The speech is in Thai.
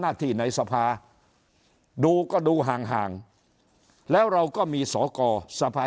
น่าที่ในสภาดูก็ดูห่างแล้วเราก็มีสขสภา